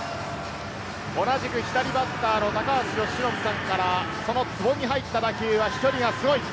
同じく左バッターの高橋由伸さんからそのゾーンに入った打球は飛距離がすごい。